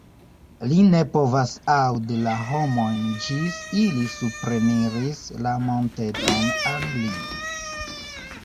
Li ne povas aŭdi la homojn ĝis ili supreniris la monteton al li.